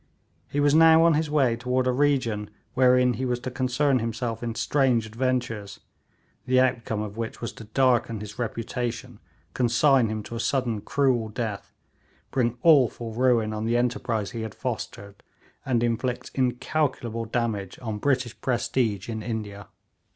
He was now on his way toward a region wherein he was to concern himself in strange adventures, the outcome of which was to darken his reputation, consign him to a sudden cruel death, bring awful ruin on the enterprise he had fostered, and inflict incalculable damage on British prestige in India.